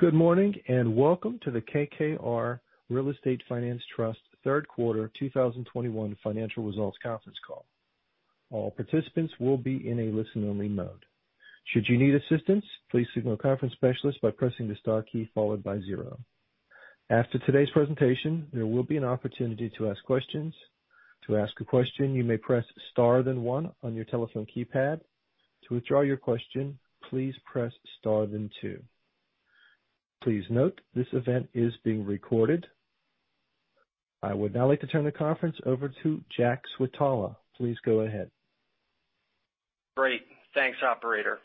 Good morning, and welcome to the KKR Real Estate Finance Trust third quarter 2021 financial results conference call. All participants will be in a listen-only mode. Should you need assistance, please signal a conference specialist by pressing the star key followed by zero. After today's presentation, there will be an opportunity to ask questions. To ask a question, you may press star then one on your telephone keypad. To withdraw your question, please press star then two. Please note, this event is being recorded. I would now like to turn the conference over to Jack Switala. Please go ahead. Great. Thanks, operator.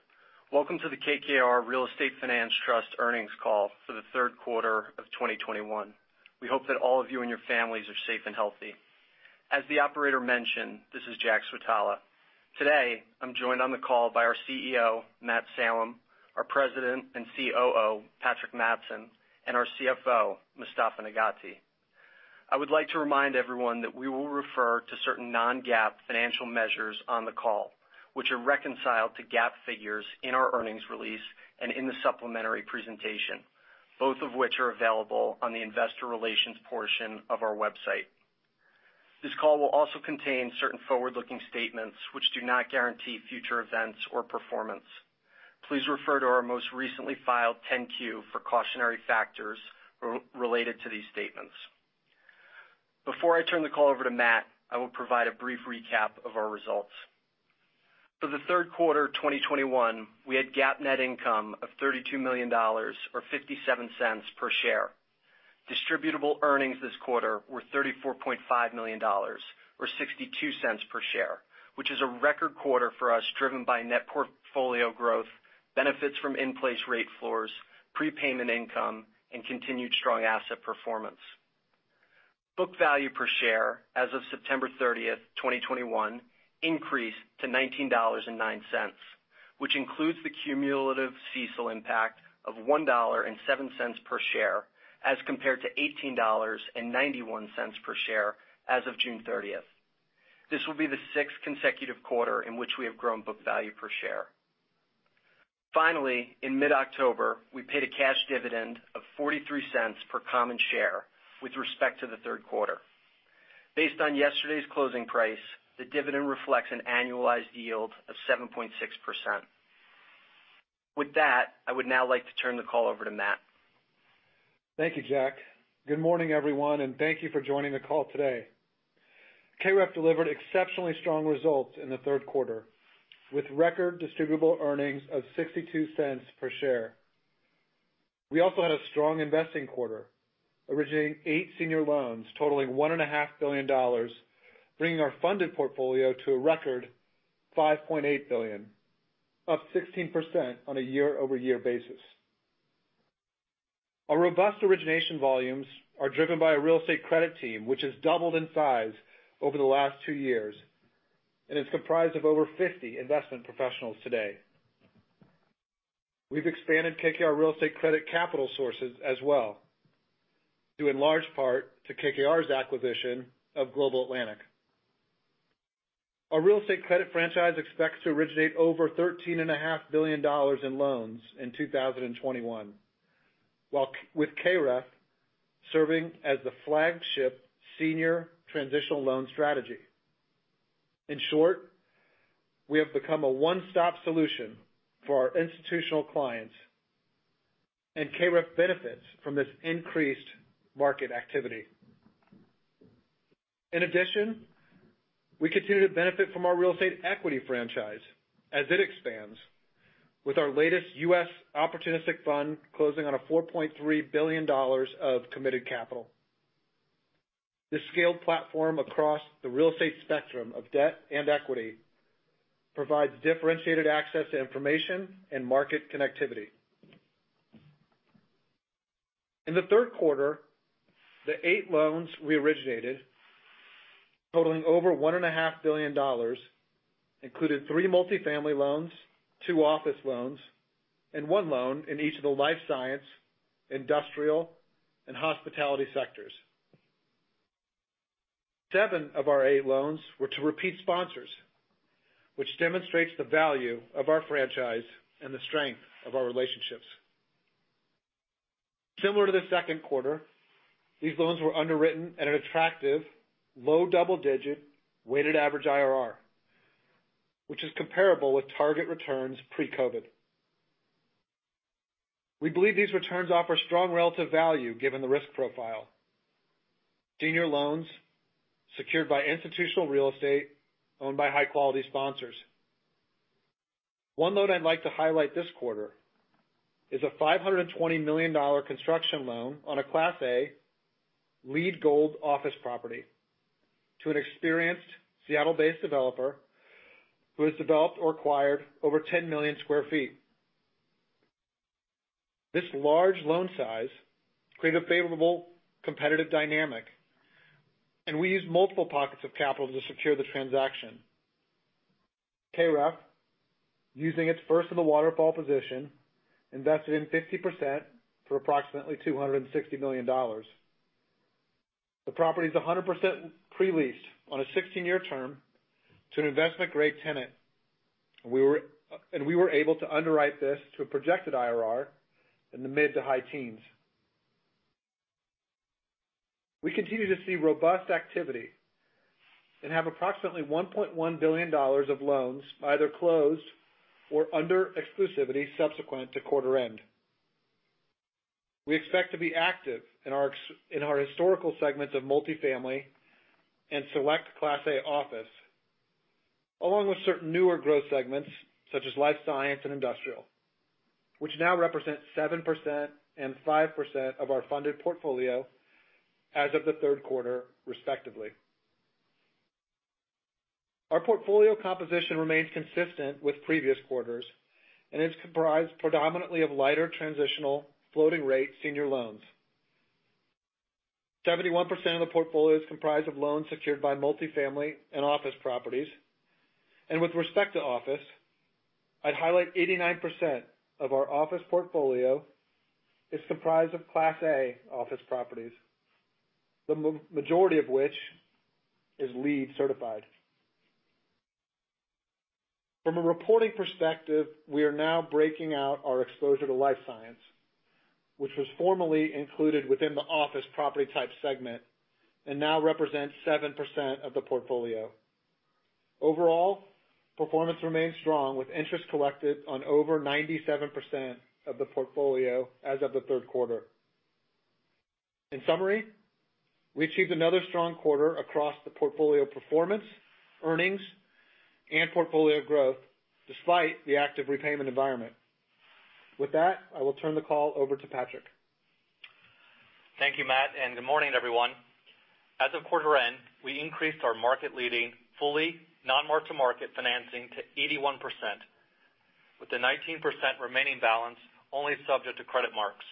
Welcome to the KKR Real Estate Finance Trust earnings call for the third quarter of 2021. We hope that all of you and your families are safe and healthy. As the operator mentioned, this is Jack Switala. Today, I'm joined on the call by our CEO, Matt Salem, our President and COO, Patrick Mattson, and our CFO, Mostafa Nagaty. I would like to remind everyone that we will refer to certain non-GAAP financial measures on the call, which are reconciled to GAAP figures in our earnings release and in the supplementary presentation, both of which are available on the investor relations portion of our website. This call will also contain certain forward-looking statements which do not guarantee future events or performance. Please refer to our most recently filed 10-Q for cautionary factors related to these statements. Before I turn the call over to Matt, I will provide a brief recap of our results. For the third quarter of 2021, we had GAAP net income of $32 million or $0.57 per share. Distributable earnings this quarter were $34.5 million or $0.62 per share, which is a record quarter for us, driven by net portfolio growth, benefits from in-place rate floors, prepayment income, and continued strong asset performance. Book value per share as of September 30, 2021, increased to $19.09, which includes the cumulative CECL impact of $1.07 per share as compared to $18.91 per share as of June 30. This will be the sixth consecutive quarter in which we have grown book value per share. Finally, in mid-October, we paid a cash dividend of $0.43 per common share with respect to the third quarter. Based on yesterday's closing price, the dividend reflects an annualized yield of 7.6%. With that, I would now like to turn the call over to Matt. Thank you, Jack. Good morning, everyone, and thank you for joining the call today. KREF delivered exceptionally strong results in the third quarter, with record distributable earnings of $0.62 per share. We also had a strong investing quarter, originating eight senior loans totaling $1.5 billion, bringing our funded portfolio to a record $5.8 billion, up 16% on a year-over-year basis. Our robust origination volumes are driven by a real estate credit team which has doubled in size over the last two years and is comprised of over 50 investment professionals today. We've expanded KKR Real Estate Credit capital sources as well, due in large part to KKR's acquisition of Global Atlantic. Our real estate credit franchise expects to originate over $13.5 billion in loans in 2021, while, with KREF serving as the flagship senior transitional loan strategy. In short, we have become a one-stop solution for our institutional clients, and KREF benefits from this increased market activity. In addition, we continue to benefit from our real estate equity franchise as it expands with our latest U.S. opportunistic fund closing on $4.3 billion of committed capital. This scaled platform across the real estate spectrum of debt and equity provides differentiated access to information and market connectivity. In the third quarter, the eight loans we originated, totaling over $1.5 billion, included three multifamily loans, two office loans, and one loan in each of the life science, industrial, and hospitality sectors. Seven of our eight loans were to repeat sponsors, which demonstrates the value of our franchise and the strength of our relationships. Similar to the second quarter, these loans were underwritten at an attractive low double-digit weighted average IRR, which is comparable with target returns pre-COVID. We believe these returns offer strong relative value given the risk profile of senior loans secured by institutional real estate owned by high-quality sponsors. One loan I'd like to highlight this quarter is a $520 million construction loan on a Class A LEED Gold office property to an experienced Seattle-based developer who has developed or acquired over 10 million sq ft. This large loan size created a favorable competitive dynamic, and we used multiple pockets of capital to secure the transaction. KREF, using its first of the waterfall position, invested in 50% for approximately $260 million. The property is 100% pre-leased on a 16-year term to an investment-grade tenant. We were able to underwrite this to a projected IRR in the mid- to high teens. We continue to see robust activity and have approximately $1.1 billion of loans either closed or under exclusivity subsequent to quarter-end. We expect to be active in our historical segments of multifamily and select Class A office, along with certain newer growth segments such as life science and industrial, which now represent 7% and 5% of our funded portfolio as of the third quarter, respectively. Our portfolio composition remains consistent with previous quarters, and it's comprised predominantly of lightly transitional floating-rate senior loans. 71% of the portfolio is comprised of loans secured by multifamily and office properties. With respect to office, I'd highlight 89% of our office portfolio is comprised of Class A office properties, the majority of which is LEED certified. From a reporting perspective, we are now breaking out our exposure to life science, which was formerly included within the office property type segment and now represents 7% of the portfolio. Overall, performance remains strong, with interest collected on over 97% of the portfolio as of the third quarter. In summary, we achieved another strong quarter across the portfolio performance, earnings, and portfolio growth despite the active repayment environment. With that, I will turn the call over to Patrick. Thank you, Matt, and good morning, everyone. As of quarter end, we increased our market-leading, fully non-mark-to-market financing to 81%, with the 19% remaining balance only subject to credit marks.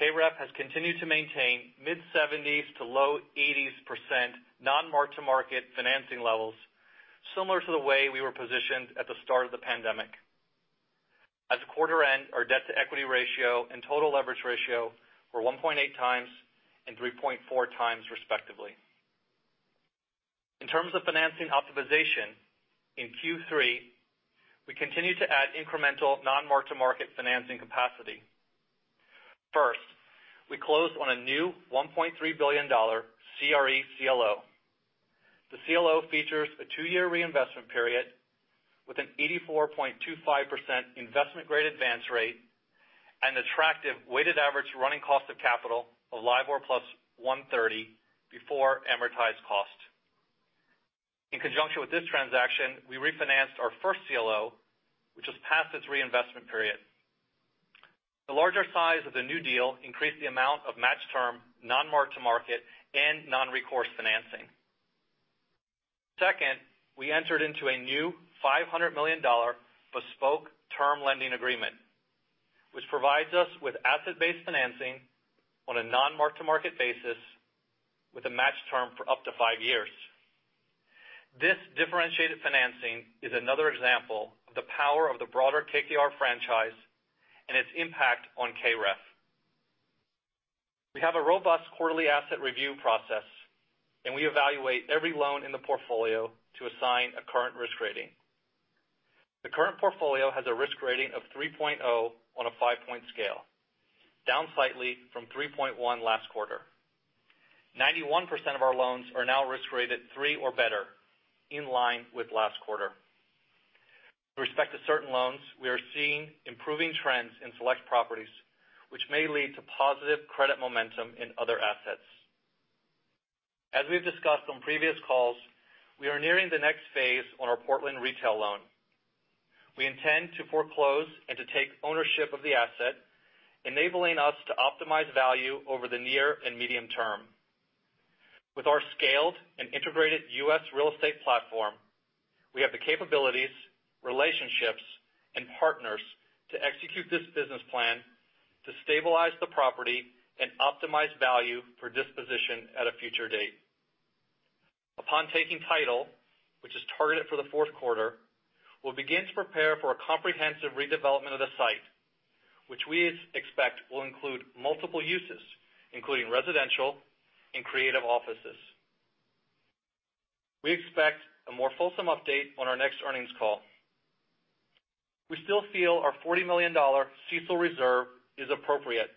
KREF has continued to maintain mid-70s to low 80s% non-mark-to-market financing levels, similar to the way we were positioned at the start of the pandemic. At the quarter end, our debt-to-equity ratio and total leverage ratio were 1.8 times and 3.4 times, respectively. In terms of financing optimization, in Q3, we continued to add incremental non-mark-to-market financing capacity. First, we closed on a new $1.3 billion CRE CLO. The CLO features a two-year reinvestment period with an 84.25% investment-grade advance rate and attractive weighted average running cost of capital of LIBOR + 130 before amortized cost. In conjunction with this transaction, we refinanced our first CLO, which was past its reinvestment period. The larger size of the new deal increased the amount of matched term, non-mark-to-market, and non-recourse financing. Second, we entered into a new $500 million bespoke term lending agreement, which provides us with asset-based financing on a non-mark-to-market basis with a matched term for up to five years. This differentiated financing is another example of the power of the broader KKR franchise and its impact on KREF. We have a robust quarterly asset review process and we evaluate every loan in the portfolio to assign a current risk rating. The current portfolio has a risk rating of 3.0 on a five-point scale, down slightly from 3.1 last quarter. 91% of our loans are now risk rated three or better, in line with last quarter. With respect to certain loans, we are seeing improving trends in select properties, which may lead to positive credit momentum in other assets. As we've discussed on previous calls, we are nearing the next phase on our Portland retail loan. We intend to foreclose and to take ownership of the asset, enabling us to optimize value over the near and medium term. With our scaled and integrated U.S. real estate platform, we have the capabilities, relationships, and partners to execute this business plan to stabilize the property and optimize value for disposition at a future date. Upon taking title, which is targeted for the fourth quarter, we'll begin to prepare for a comprehensive redevelopment of the site, which we expect will include multiple uses, including residential and creative offices. We expect a more fulsome update on our next earnings call. We still feel our $40 million CECL reserve is appropriate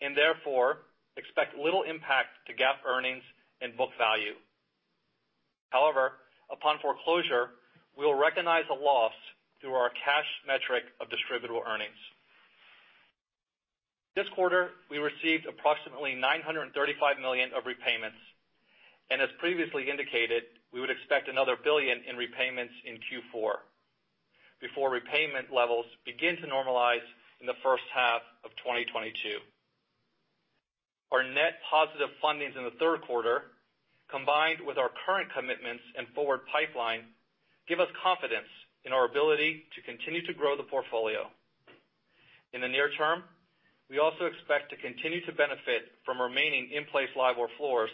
and therefore expect little impact to GAAP earnings and book value. However, upon foreclosure, we will recognize a loss through our cash metric of distributable earnings. This quarter, we received approximately $935 million of repayments, and as previously indicated, we would expect another $1 billion in repayments in Q4 before repayment levels begin to normalize in the first half of 2022. Our net positive fundings in the third quarter, combined with our current commitments and forward pipeline, give us confidence in our ability to continue to grow the portfolio. In the near term, we also expect to con tinue to benefit from remaining in place LIBOR floors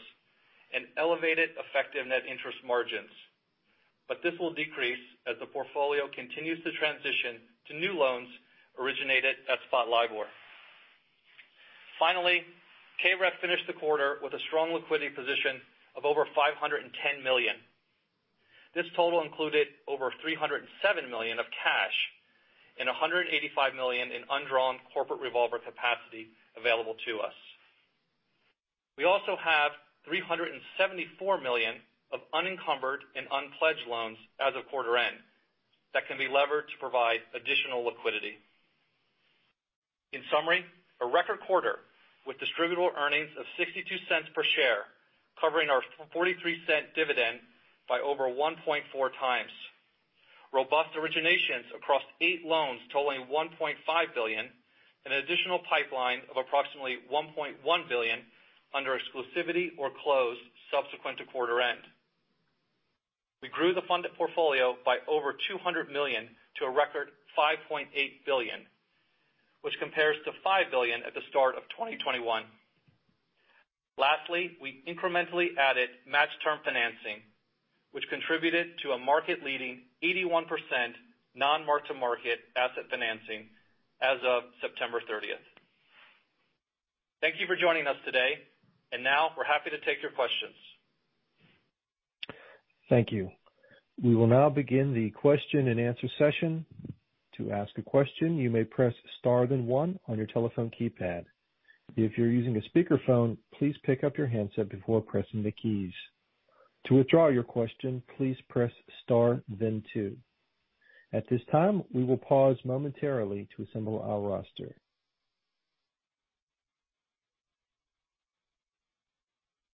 and elevated effective net interest margins. This will decrease as the portfolio continues to transition to new loans originated at Spot LIBOR. Finally, KREF finished the quarter with a strong liquidity position of over $510 million. This total included over $307 million of cash and $185 million in undrawn corporate revolver capacity available to us. We also have $374 million of unencumbered and unpledged loans as of quarter end that can be levered to provide additional liquidity. In summary, a record quarter with distributable earnings of $0.62 per share, covering our forty-three cent dividend by over 1.4 times. Robust originations across eight loans totaling $1.5 billion and an additional pipeline of approximately $1.1 billion under exclusivity or close subsequent to quarter end. We grew the funded portfolio by over $200 million to a record $5.8 billion, which compares to $5 billion at the start of 2021. Lastly, we incrementally added match term financing, which contributed to a market-leading 81% non-mark-to-market asset financing as of September 30. Thank you for joining us today. Now we're happy to take your questions. Thank you. We will now begin the question and answer session. To ask a question, you may press star then one on your telephone keypad. If you're using a speakerphone, please pick up your handset before pressing the keys. To withdraw your question, please press star then two. At this time, we will pause momentarily to assemble our roster.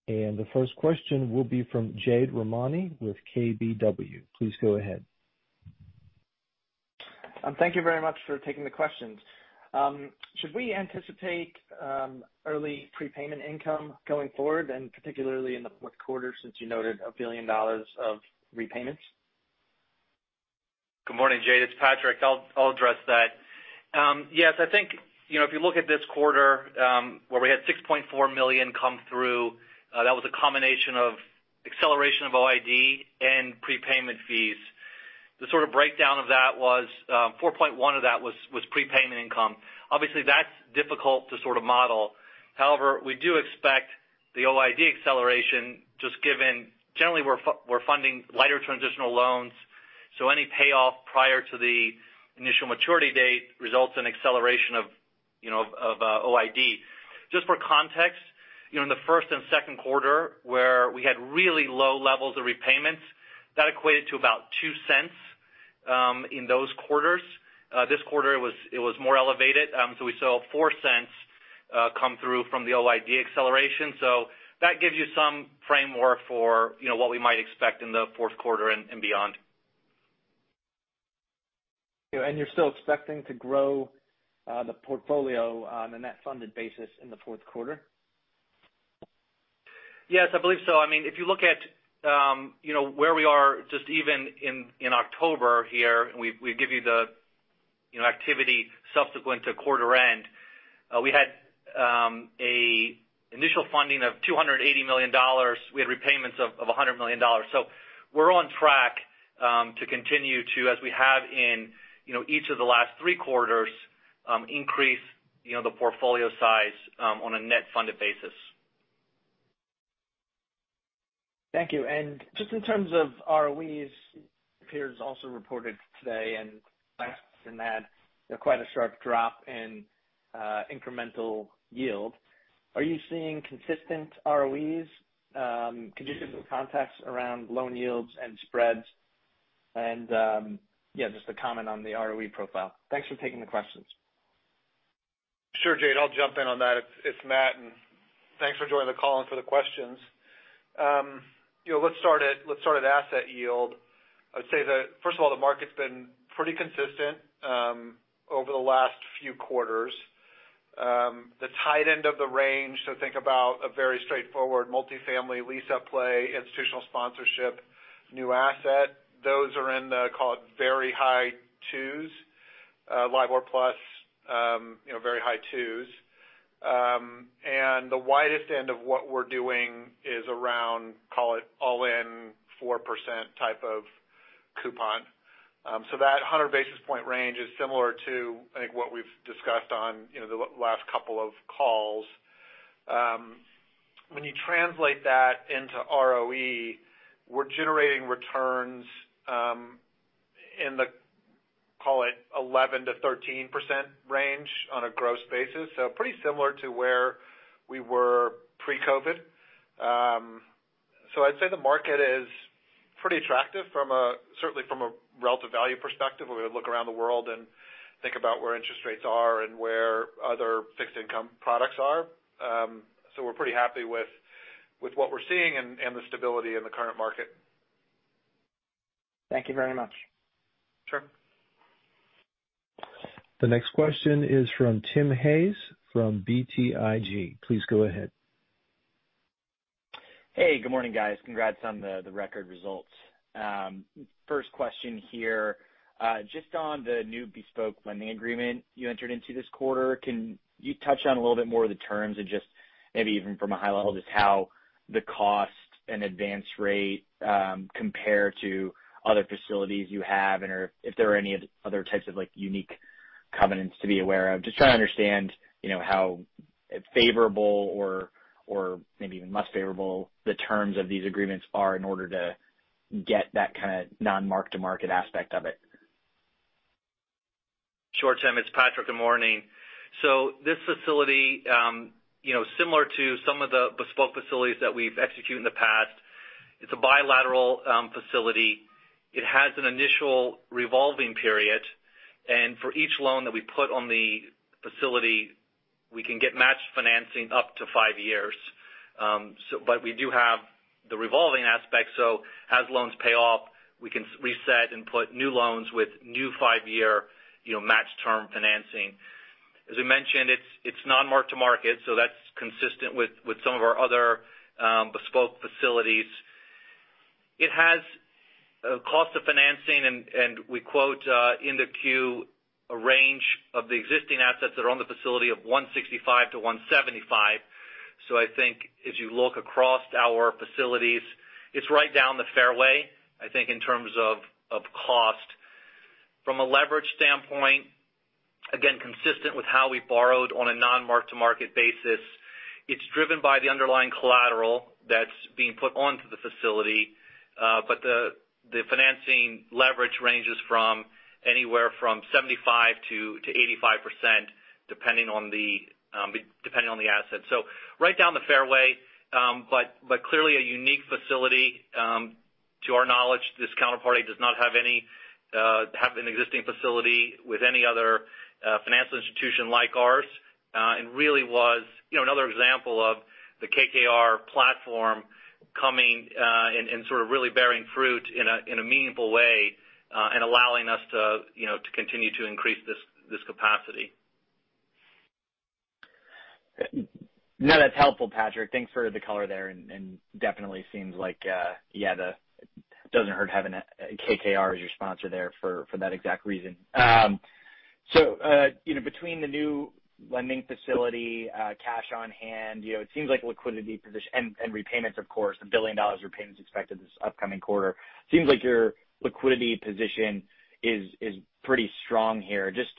The first question will be from Jade Rahmani with KBW. Please go ahead. Thank you very much for taking the questions. Should we anticipate early prepayment income going forward, and particularly in the fourth quarter since you noted $1 billion of repayments? Good morning, Jade. It's Patrick. I'll address that. Yes, I think, you know, if you look at this quarter, where we had $6.4 million come through, that was a combination of acceleration of OID and prepayment fees. The sort of breakdown of that was, $4.1 of that was prepayment income. Obviously, that's difficult to sort of model. However, we do expect the OID acceleration just given generally we're funding lighter transitional loans. So any payoff prior to the initial maturity date results in acceleration of, you know, of OID. Just for context, you know, in the first and second quarter where we had really low levels of repayments, that equated to about $0.02 in those quarters. This quarter it was more elevated. We saw $0.04 come through from the OID acceleration. That gives you some framework for, you know, what we might expect in the fourth quarter and beyond. You're still expecting to grow the portfolio on a net funded basis in the fourth quarter? Yes, I believe so. I mean, if you look at, you know, where we are just even in October here, and we give you the, you know, activity subsequent to quarter end. We had a initial funding of $280 million. We had repayments of a $100 million. We're on track to continue to, as we have in, you know, each of the last three quarters, increase, you know, the portfolio size, on a net funded basis. Thank you. Just in terms of ROEs, peers also reported today and in that, quite a sharp drop in incremental yield. Are you seeing consistent ROEs? Can you give some context around loan yields and spreads? Yeah, just a comment on the ROE profile. Thanks for taking the questions. Sure, Jade. I'll jump in on that. It's Matt, and thanks for joining the call and for the questions. You know, let's start at asset yield. I'd say that, first of all, the market's been pretty consistent over the last few quarters. The tight end of the range. So think about a very straightforward multifamily lease-up play, institutional sponsorship, new asset. Those are in the, call it, very high twos, LIBOR plus, you know, very high twos. And the widest end of what we're doing is around, call it, all in 4% type of coupon. So that 100 basis point range is similar to, I think, what we've discussed on, you know, the last couple of calls. When you translate that into ROE, we're generating returns in the, call it, 11%-13% range on a gross basis. Pretty similar to where we were pre-COVID. I'd say the market is pretty attractive from a, certainly from a relative value perspective, when we look around the world and think about where interest rates are and where other fixed income products are. We're pretty happy with what we're seeing and the stability in the current market. Thank you very much. Sure. The next question is from Tim Hayes from BTIG. Please go ahead. Hey, good morning, guys. Congrats on the record results. First question here. Just on the new bespoke lending agreement you entered into this quarter, can you touch on a little bit more of the terms and just maybe even from a high level, just how the cost and advance rate compare to other facilities you have and if there are any other types of like unique covenants to be aware of. Just trying to understand, you know, how favorable or maybe even less favorable the terms of these agreements are in order to get that kinda non-mark-to-market aspect of it. Sure, Tim, it's Patrick. Good morning. This facility, you know, similar to some of the bespoke facilities that we've executed in the past, it's a bilateral facility. It has an initial revolving period, and for each loan that we put on the facility, we can get matched financing up to five years. We do have the revolving aspect, so as loans pay off, we can reset and put new loans with new five-year, you know, matched term financing. As we mentioned, it's non-mark-to-market, so that's consistent with some of our other bespoke facilities. It has a cost of financing and we quote in the 10-Q, a range of the existing assets that are on the facility of 165-175. I think as you look across our facilities, it's right down the fairway, I think, in terms of cost. From a leverage standpoint, again, consistent with how we borrowed on a non-mark-to-market basis, it's driven by the underlying collateral that's being put onto the facility, but the financing leverage ranges from anywhere from 75%-85% depending on the asset. Right down the fairway, but clearly a unique facility. To our knowledge, this counterparty does not have an existing facility with any other financial institution like ours, and really was, you know, another example of the KKR platform coming and sort of really bearing fruit in a meaningful way, and allowing us to, you know, to continue to increase this capacity. No, that's helpful, Patrick. Thanks for the color there, and definitely seems like, yeah, doesn't hurt having KKR as your sponsor there for that exact reason. So, you know, between the new lending facility, cash on hand, you know, it seems like liquidity position and repayments, of course. $1 billion repayments expected this upcoming quarter. Seems like your liquidity position is pretty strong here. Just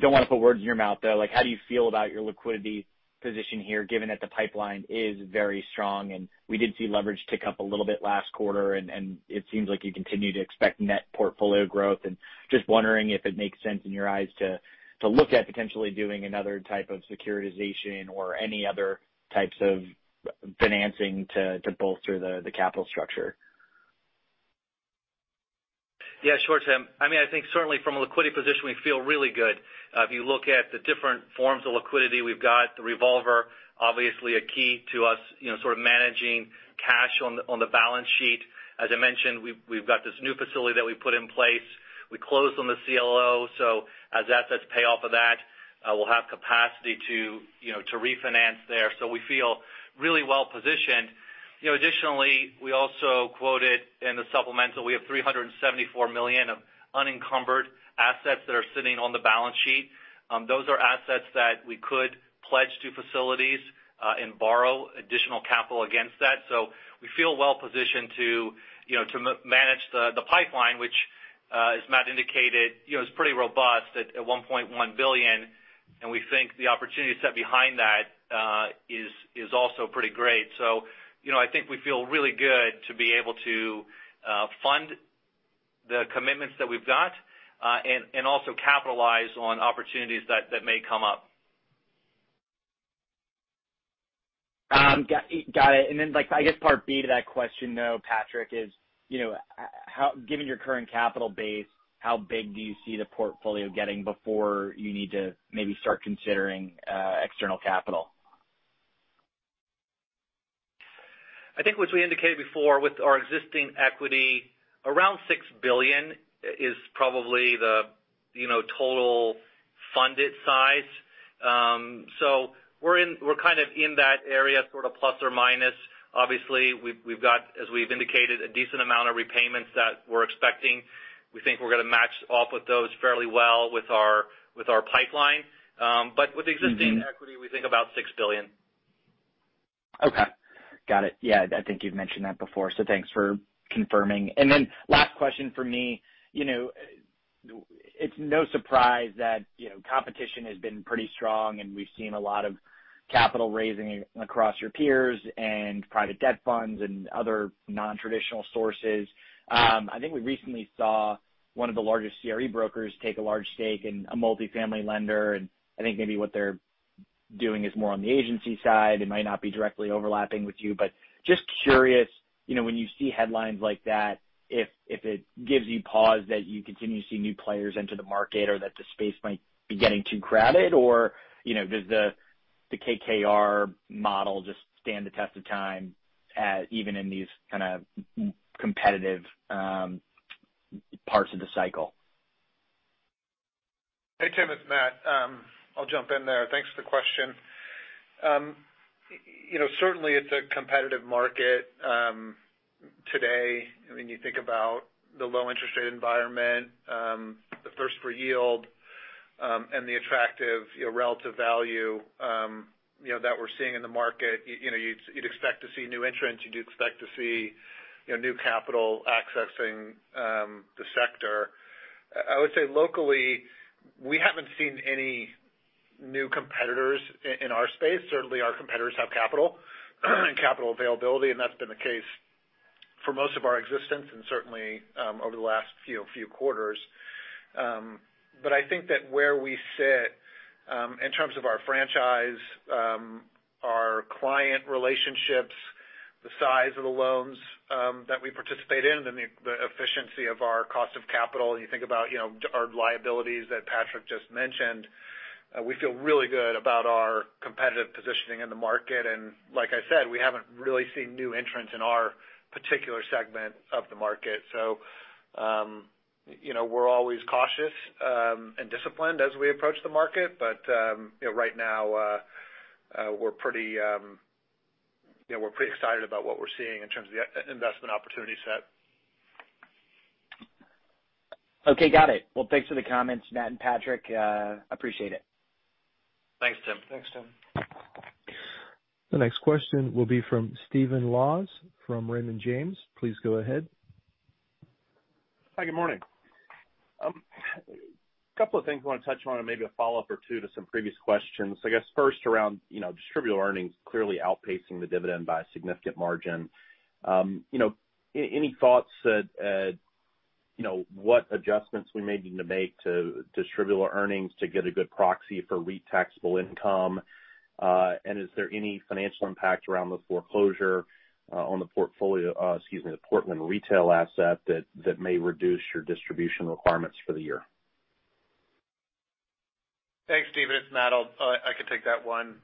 don't wanna put words in your mouth, though. Like, how do you feel about your liquidity position here, given that the pipeline is very strong? We did see leverage tick up a little bit last quarter, and it seems like you continue to expect net portfolio growth. Just wondering if it makes sense in your eyes to look at potentially doing another type of securitization or any other types of financing to bolster the capital structure. Yeah, sure, Tim. I mean, I think certainly from a liquidity position, we feel really good. If you look at the different forms of liquidity, we've got the revolver, obviously a key to us, you know, sort of managing cash on the, on the balance sheet. As I mentioned, we've got this new facility that we put in place. We closed on the CLO, so as assets pay off of that, we'll have capacity to, you know, to refinance there. We feel really well positioned. You know, additionally, we also quoted in the supplemental, we have $374 million of unencumbered assets that are sitting on the balance sheet. Those are assets that we could pledge to facilities, and borrow additional capital against that. We feel well positioned to, you know, manage the pipeline, which, as Matt indicated, you know, is pretty robust at $1.1 billion, and we think the opportunity set behind that is also pretty great. You know, I think we feel really good to be able to fund the commitments that we've got and also capitalize on opportunities that may come up. Got it. Like, I guess part B to that question, though, Patrick is, you know, how given your current capital base, how big do you see the portfolio getting before you need to maybe start considering external capital? I think as we indicated before, with our existing equity, around $6 billion is probably the total funded size. We're kind of in that area sort of plus or minus. Obviously, we've got, as we've indicated, a decent amount of repayments that we're expecting. We think we're gonna match off with those fairly well with our pipeline. With existing- Mm-hmm. equity, we think about $6 billion. Okay. Got it. Yeah, I think you've mentioned that before, so thanks for confirming. Last question from me. You know, it's no surprise that, you know, competition has been pretty strong, and we've seen a lot of capital raising across your peers and private debt funds and other non-traditional sources. I think we recently saw one of the largest CRE brokers take a large stake in a multifamily lender, and I think maybe what they're doing is more on the agency side. It might not be directly overlapping with you. Just curious, you know, when you see headlines like that, if it gives you pause that you continue to see new players enter the market or that the space might be getting too crowded or, you know, does the KKR model just stand the test of time even in these kind of more competitive parts of the cycle? Hey, Tim, it's Matt. I'll jump in there. Thanks for the question. You know, certainly it's a competitive market today. I mean, you think about the low interest rate environment, the thirst for yield, and the attractive, you know, relative value, you know, that we're seeing in the market. You know, you'd expect to see new entrants. You'd expect to see, you know, new capital accessing the sector. I would say locally, we haven't seen any new competitors in our space. Certainly our competitors have capital and capital availability, and that's been the case for most of our existence and certainly over the last few quarters. I think that where we sit in terms of our franchise, our client relationships, the size of the loans that we participate in, and the efficiency of our cost of capital, you think about, you know, our liabilities that Patrick just mentioned, we feel really good about our competitive positioning in the market. Like I said, we haven't really seen new entrants in our particular segment of the market. You know, we're always cautious and disciplined as we approach the market. You know, right now, we're pretty excited about what we're seeing in terms of the investment opportunity set. Okay. Got it. Well, thanks for the comments, Matt and Patrick. Appreciate it. Thanks, Tim. Thanks, Tim. The next question will be from Stephen Laws from Raymond James. Please go ahead. Hi, good morning. A couple of things I wanna touch on and maybe a follow-up or two to some previous questions. I guess first around, you know, distributable earnings clearly outpacing the dividend by a significant margin. You know, any thoughts at, you know, what adjustments we may need to make to distributable earnings to get a good proxy for REIT taxable income? Is there any financial impact around the foreclosure on the portfolio, excuse me, the Portland retail asset that may reduce your distribution requirements for the year? Thanks, Stephen. It's Matt. I can take that one.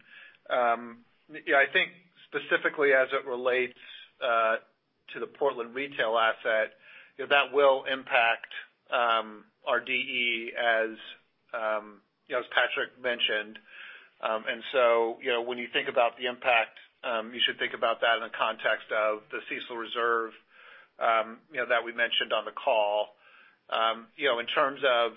Yeah, I think specifically as it relates to the Portland retail asset, you know, that will impact our DE as, you know, as Patrick mentioned. You know, when you think about the impact, you should think about that in the context of the CECL reserve, you know, that we mentioned on the call. You know, in terms of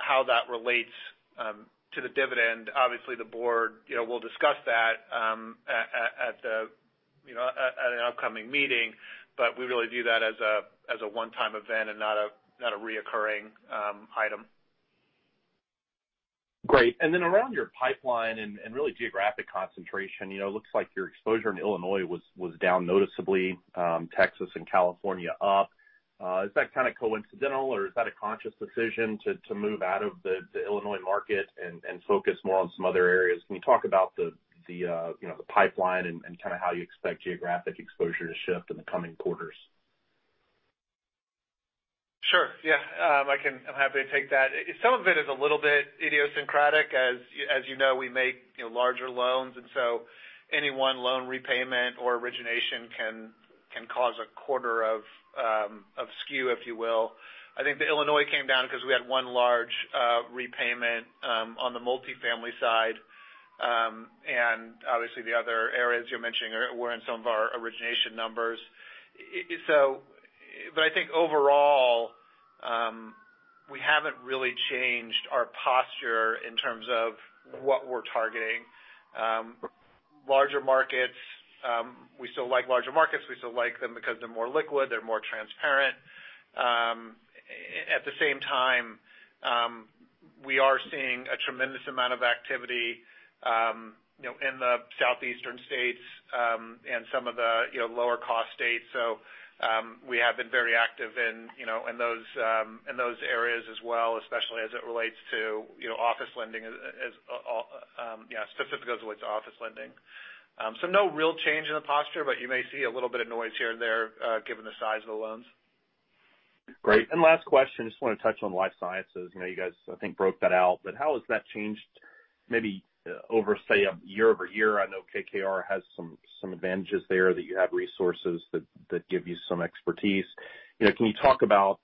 how that relates to the dividend, obviously the board, you know, will discuss that at an upcoming meeting. But we really view that as a one-time event and not a recurring item. Great. Around your pipeline and really geographic concentration. You know, it looks like your exposure in Illinois was down noticeably, Texas and California up. Is that kind of coincidental, or is that a conscious decision to move out of the Illinois market and focus more on some other areas? Can you talk about you know, the pipeline and kind of how you expect geographic exposure to shift in the coming quarters? Sure. Yeah. I'm happy to take that. Some of it is a little bit idiosyncratic. As you know, we make, you know, larger loans, and so any one loan repayment or origination can cause a quarter of skew, if you will. I think the Illinois came down because we had one large repayment on the multifamily side. Obviously the other areas you're mentioning were in some of our origination numbers. I think overall, we haven't really changed our posture in terms of what we're targeting. Larger markets, we still like larger markets. We still like them because they're more liquid, they're more transparent. At the same time, we are seeing a tremendous amount of activity, you know, in the southeastern states and some of the, you know, lower cost states. We have been very active in those areas as well, especially as it relates to, you know, office lending, yeah, specifically as it relates to office lending. No real change in the posture, but you may see a little bit of noise here and there, given the size of the loans. Great. Last question, just wanna touch on life sciences. You know, you guys I think broke that out, but how has that changed maybe over, say, a year-over-year? I know KKR has some advantages there, that you have resources that give you some expertise. You know, can you talk about,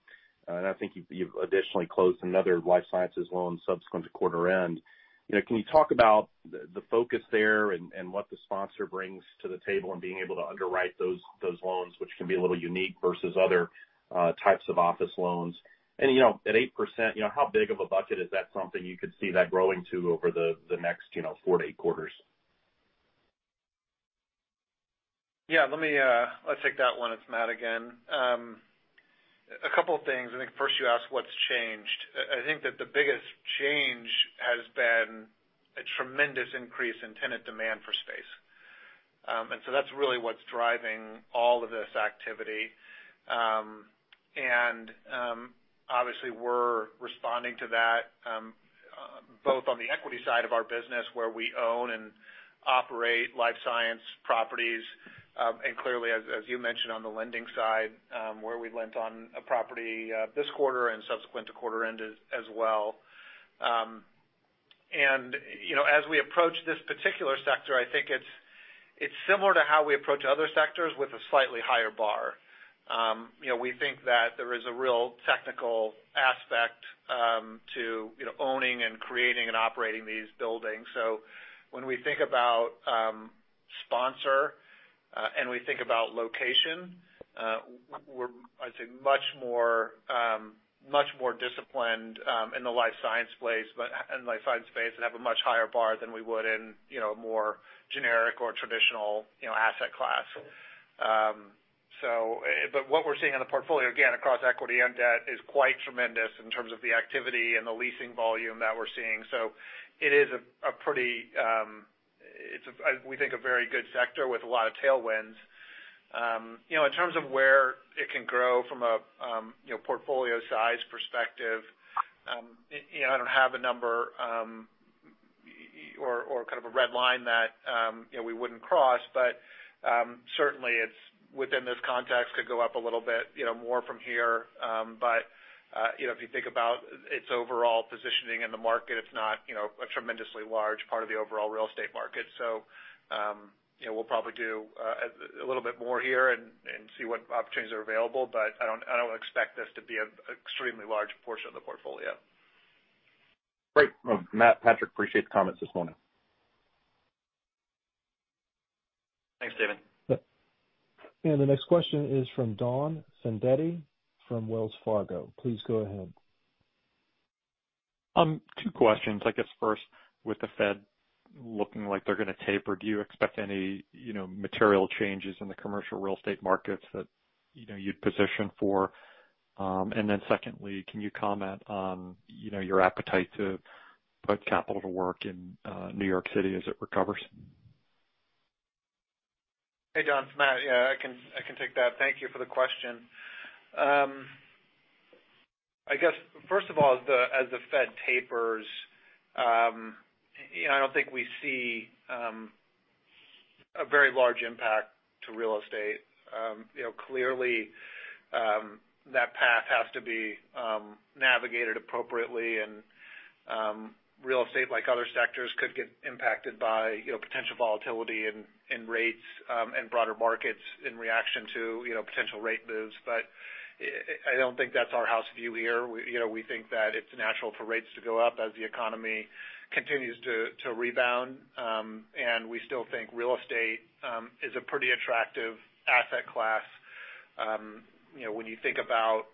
and I think you've additionally closed another life sciences loan subsequent to quarter end. You know, can you talk about the focus there and what the sponsor brings to the table in being able to underwrite those loans, which can be a little unique versus other types of office loans? You know, at 8%, you know, how big of a bucket is that something you could see that growing to over the next, you know, four to eight quarters? Yeah. Let me, I'll take that one. It's Matt again. A couple of things. I think first you asked what's changed. I think that the biggest change has been a tremendous increase in tenant demand for space. That's really what's driving all of this activity. Obviously we're responding to that both on the equity side of our business where we own and operate life science properties and clearly, as you mentioned, on the lending side where we lent on a property this quarter and subsequent to quarter end as well. You know, as we approach this particular sector, I think it's similar to how we approach other sectors with a slightly higher bar. You know, we think that there is a real technical aspect to you know owning and creating and operating these buildings. When we think about sponsor and we think about location, we're, I'd say, much more disciplined in the life science space and have a much higher bar than we would in you know a more generic or traditional you know asset class. What we're seeing in the portfolio, again, across equity and debt, is quite tremendous in terms of the activity and the leasing volume that we're seeing. It is a pretty, we think, a very good sector with a lot of tailwinds. You know, in terms of where it can grow from a portfolio size perspective, you know, I don't have a number or kind of a red line that you know, we wouldn't cross. Certainly, it's within this context could go up a little bit, you know, more from here. You know, if you think about its overall positioning in the market, it's not, you know, a tremendously large part of the overall real estate market. You know, we'll probably do a little bit more here and see what opportunities are available, but I don't expect this to be an extremely large portion of the portfolio. Great. Matt, Patrick, I appreciate the comments this morning. Thanks, Stephen. The next question is from Don Fandetti from Wells Fargo. Please go ahead. Two questions. I guess first, with the Fed looking like they're gonna taper, do you expect any, you know, material changes in the commercial real estate markets that, you know, you'd position for? And then secondly, can you comment on, you know, your appetite to put capital to work in New York City as it recovers? Hey, Don. Matt, yeah, I can take that. Thank you for the question. I guess first of all, as the Fed tapers, you know, I don't think we see a very large impact to real estate. You know, clearly, that path has to be navigated appropriately. Real estate, like other sectors, could get impacted by, you know, potential volatility in rates and broader markets in reaction to, you know, potential rate moves. I don't think that's our house view here. We, you know, we think that it's natural for rates to go up as the economy continues to rebound. And we still think real estate is a pretty attractive asset class. You know, when you think about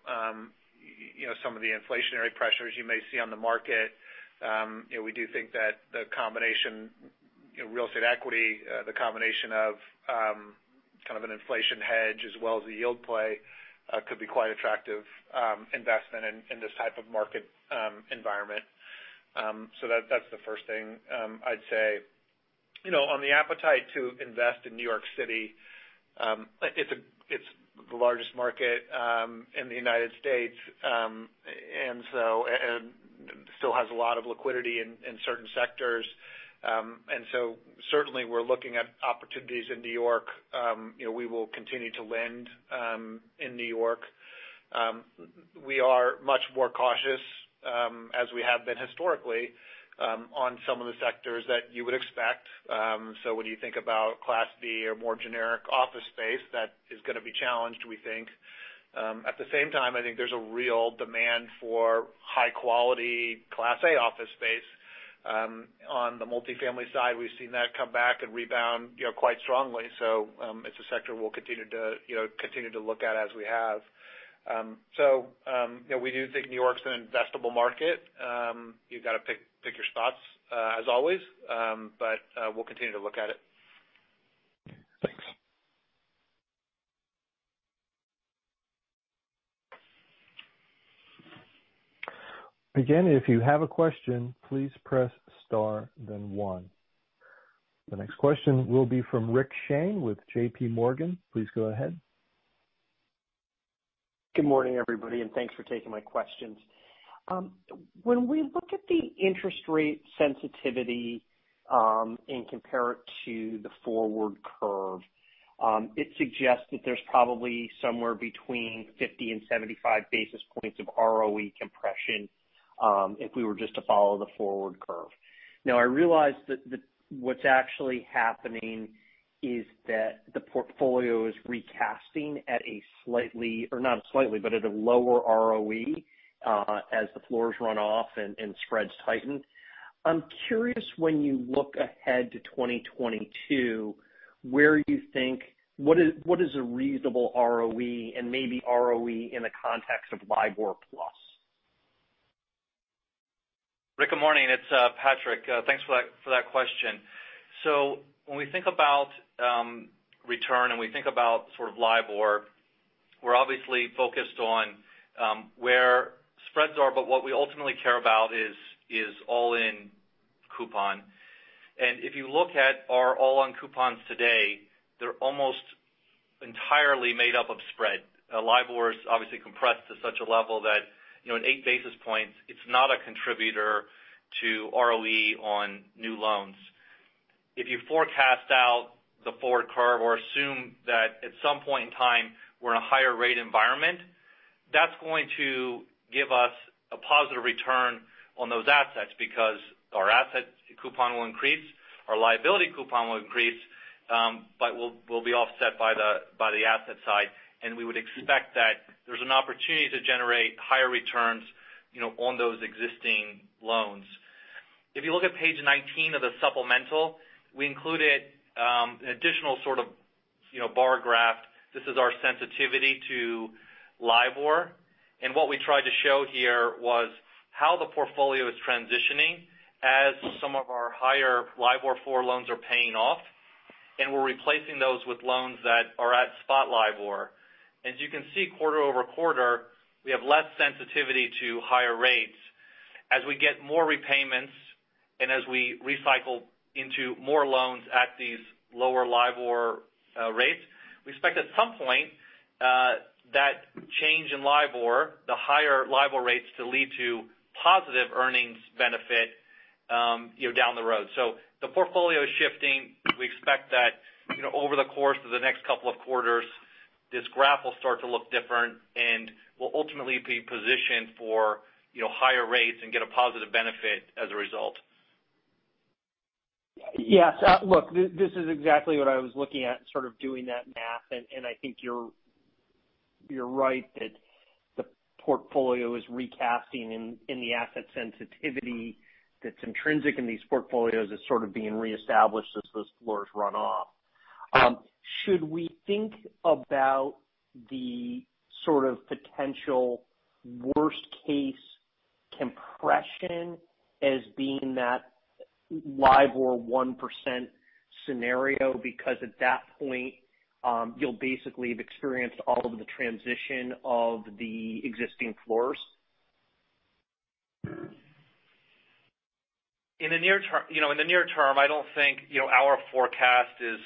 some of the inflationary pressures you may see on the market, you know, we do think that the combination of real estate equity, kind of an inflation hedge as well as the yield play, could be quite attractive investment in this type of market environment. That's the first thing I'd say. You know, on the appetite to invest in New York City, it's the largest market in the United States. Still has a lot of liquidity in certain sectors. Certainly we're looking at opportunities in New York. You know, we will continue to lend in New York. We are much more cautious, as we have been historically, on some of the sectors that you would expect. When you think about Class B or more generic office space, that is gonna be challenged, we think. At the same time, I think there's a real demand for high quality Class A office space. On the multifamily side, we've seen that come back and rebound, you know, quite strongly. It's a sector we'll continue to, you know, continue to look at as we have. We do think New York's an investable market. You've got to pick your spots, as always. We'll continue to look at it. Thanks. Again, if you have a question, please press star then one. The next question will be from Rick Shane with JPMorgan. Please go ahead. Good morning, everybody, and thanks for taking my questions. When we look at the interest rate sensitivity and compare it to the forward curve, it suggests that there's probably somewhere between 50 and 75 basis points of ROE compression, if we were just to follow the forward curve. Now, I realize what's actually happening is that the portfolio is recasting at a slightly or not slightly, but at a lower ROE, as the floors run off and spreads tighten. I'm curious, when you look ahead to 2022, what is a reasonable ROE and maybe ROE in the context of LIBOR plus? Rick, good morning. It's Patrick. Thanks for that question. When we think about return and we think about sort of LIBOR, we're obviously focused on where spreads are, but what we ultimately care about is all-in coupon. If you look at our all-in coupons today, they're almost entirely made up of spread. LIBOR is obviously compressed to such a level that, you know, in eight basis points, it's not a contributor to ROE on new loans. If you forecast out the forward curve or assume that at some point in time we're in a higher rate environment, that's going to give us a positive return on those assets because our asset coupon will increase, our liability coupon will increase, but will be offset by the asset side. We would expect that there's an opportunity to generate higher returns, you know, on those existing loans. If you look at page 19 of the supplemental, we included an additional sort of, you know, bar graph. This is our sensitivity to LIBOR. What we tried to show here was how the portfolio is transitioning as some of our higher LIBOR floor loans are paying off, and we're replacing those with loans that are at spot LIBOR. As you can see, quarter-over-quarter, we have less sensitivity to higher rates. As we get more repayments and as we recycle into more loans at these lower LIBOR rates, we expect at some point that change in LIBOR, the higher LIBOR rates to lead to positive earnings benefit, you know, down the road. The portfolio is shifting. We expect that, you know, over the course of the next couple of quarters, this graph will start to look different and we'll ultimately be positioned for, you know, higher rates and get a positive benefit as a result. Yes. Look, this is exactly what I was looking at, sort of doing that math. I think you're right that the portfolio is recasting in the asset sensitivity that's intrinsic in these portfolios as sort of being reestablished as those floors run off. Should we think about the sort of potential worst case compression as being that LIBOR 1% scenario? Because at that point, you'll basically have experienced all of the transition of the existing floors. In the near term, you know, in the near term, I don't think, you know, our forecast is, you know,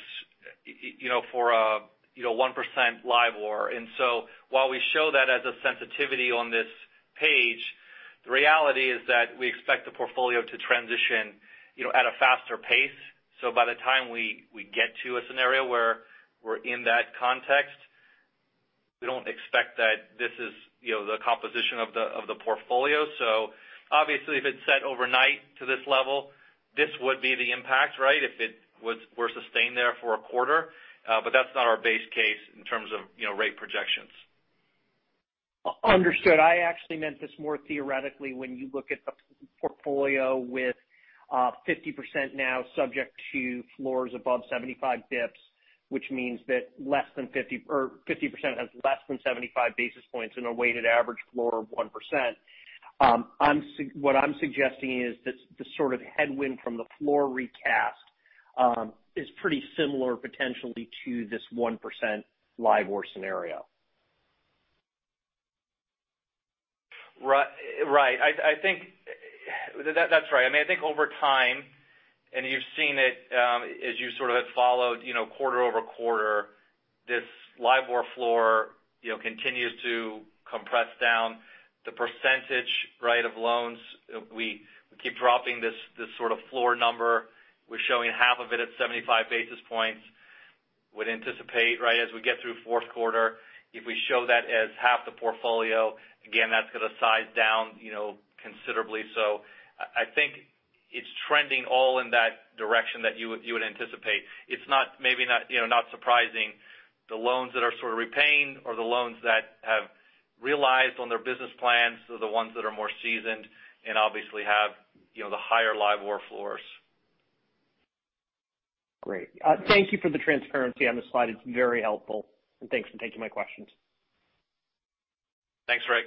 for a 1% LIBOR. While we show that as a sensitivity on this page, the reality is that we expect the portfolio to transition, you know, at a faster pace. By the time we get to a scenario where we're in that context, we don't expect that this is, you know, the composition of the portfolio. Obviously, if it's set overnight to this level, this would be the impact, right, if it were sustained there for a quarter. That's not our base case in terms of, you know, rate projections. Understood. I actually meant this more theoretically. When you look at the portfolio with 50% now subject to floors above 75 basis points, which means that less than 50% has less than 75 basis points in a weighted average floor of 1%. What I'm suggesting is this sort of headwind from the floor recast is pretty similar potentially to this 1% LIBOR scenario. Right. I think that's right. I mean, I think over time, and you've seen it, as you sort of had followed, you know, quarter-over-quarter, this LIBOR floor, you know, continues to compress down the percentage, right, of loans. We keep dropping this sort of floor number. We're showing half of it at 75 basis points. Would anticipate, right, as we get through fourth quarter, if we show that as half the portfolio, again, that's gonna size down, you know, considerably so. I think it's trending all in that direction that you would anticipate. It's not, maybe not, you know, not surprising the loans that are sort of repaying or the loans that have realized on their business plans are the ones that are more seasoned and obviously have, you know, the higher LIBOR floors. Great. Thank you for the transparency on this slide. It's very helpful. Thanks for taking my questions. Thanks, Rick.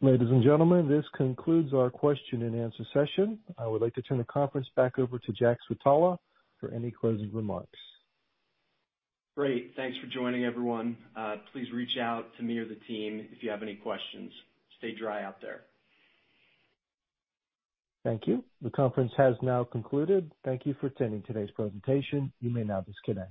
Ladies and gentlemen, this concludes our question-and-answer session. I would like to turn the conference back over to Jack Switala for any closing remarks. Great. Thanks for joining, everyone. Please reach out to me or the team if you have any questions. Stay dry out there. Thank you. The conference has now concluded. Thank you for attending today's presentation. You may now disconnect.